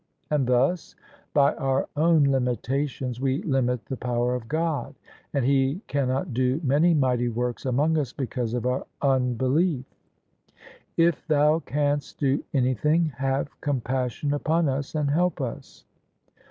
And thus by our own limitations we limit the power of God ; and He cannot do many mighty works among us because of our unbelief. " If Thou canst do anything, have compassion upon us and help us!"